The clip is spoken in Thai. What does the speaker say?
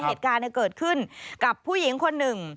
เหตุการณ์เกิดขึ้นกับผู้หญิงคนหนึ่ง